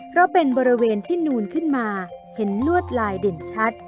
เพราะเป็นบริเวณที่นูนขึ้นมาเห็นลวดลายเด่นชัด